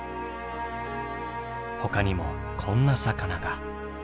ほかにもこんな魚が。